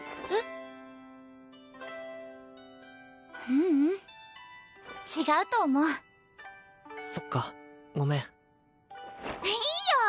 ううん違うと思うそっかごめんいいよ